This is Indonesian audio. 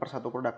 per satu produk